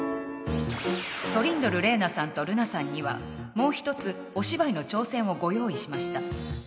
トリンドル玲奈さんと瑠奈さんにはもう１つ、お芝居の挑戦をご用意しました。